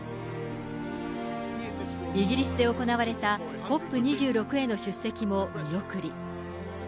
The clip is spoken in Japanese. イギリスで行われたＣＯＰ２６への出席も見送り。